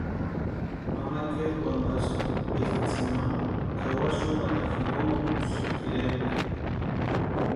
Mama kʼeri wantasïnti eska tsʼïma kʼawasï xumakata jinkontkusï tʼirempka.